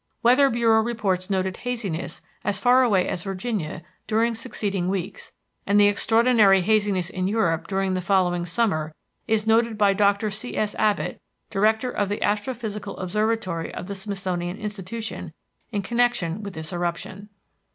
Weather Bureau reports noted haziness as far away as Virginia during succeeding weeks, and the extraordinary haziness in Europe during the following summer is noted by Doctor C.S. Abbott, Director of the Astrophysical Observatory of the Smithsonian Institution, in connection with this eruption.